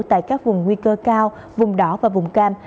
tại các vùng nguy cơ cao vùng đỏ và vùng cam